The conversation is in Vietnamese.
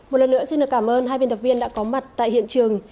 một lần nữa xin được cảm ơn hai biên tập viên đã có mặt tại hiện trường